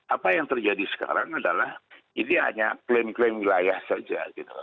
apa yang terjadi sekarang adalah ini hanya klaim klaim wilayah saja